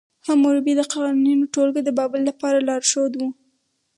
حموربي د قوانینو ټولګه د بابل لپاره لارښود وه.